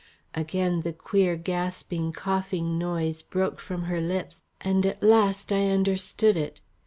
Again the queer gasping coughing noise broke from her lips, and at last I understood it.